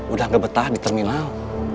udah gak betah di terminal